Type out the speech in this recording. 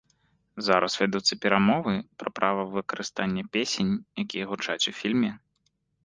Зараз вядуцца перамовы пра права выкарыстання песень, якія гучаць у фільме.